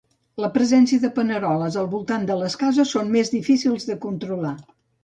La presència de paneroles al voltant de les cases són més difícils de controlar.